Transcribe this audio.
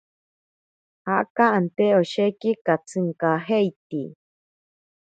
Jaka ante osheki katsinkajeiti.